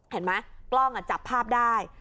เห็นมะกล้องอ่ะจับภาพได้